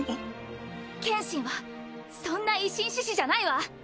剣心はそんな維新志士じゃないわ！